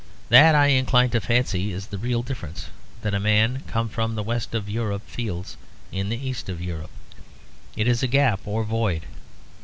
That, I incline to fancy, is the real difference that a man come from the west of Europe feels in the east of Europe, it is a gap or a void.